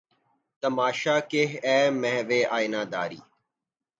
تماشا کہ اے محوِ آئینہ داری!